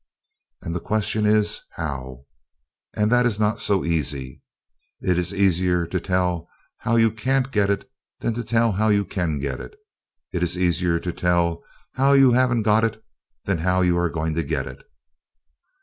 And the question is how? And that is not so easy. It is easier to tell how you can't get it than to tell how you can get it. It is easier to tell how you haven't got it than how you are going to get it.